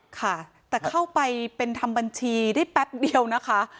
ค่ะแต่เข้าไปเป็นทำบัญชีได้แป๊บเดียวนะคะ